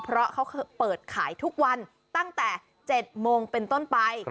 เพราะเขาเปิดขายทุกวันตั้งแต่๗โมงเป็นต้นไป